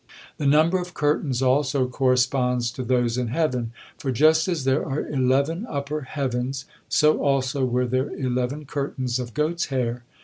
The number of curtains, also, corresponds to those in heaven, for just as there are eleven upper heavens, so also were there eleven curtains of goats' hair.